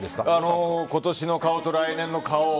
今年の顔と来年の顔